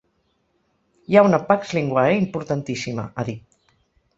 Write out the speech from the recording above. Hi ha una “pax linguae” importantíssima, ha dit.